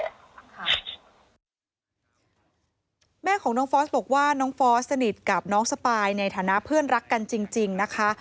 แม่ของน้องฟอสบอกว่าน้องฟอสสนิทกับน้องสปายในฐานะเพื่อนรักกันจริงนะคะ